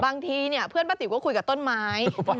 บางทีเนี่ยเพื่อนป้าติ๋วก็คุยกับต้นไม้